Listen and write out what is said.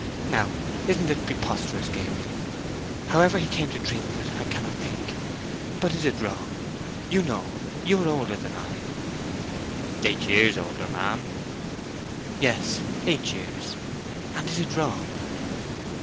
Now, isn't it preposterous, Gabriel? However he came to dream of it, I cannot think. But is it wrong? You know—you are older than I." "Eight years older, ma'am." "Yes, eight years—and is it wrong?"